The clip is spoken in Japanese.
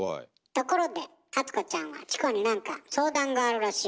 ところで淳子ちゃんはチコに何か相談があるらしいわね。